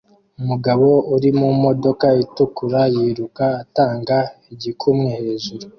Umugabo uri mumodoka itukura yiruka atanga igikumwe hejuru